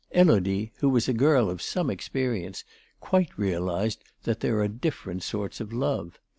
Élodie, who was a girl of some experience, quite realised that there are different sorts of love.